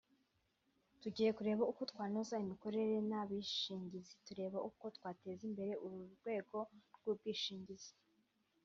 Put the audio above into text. “Tugiye kureba uko twanoza imikorere n’abishingizi turebe uko twateza imbere uru rwego rw’ubwishingizi